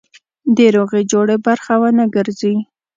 د روغې جوړې برخه ونه ګرځي.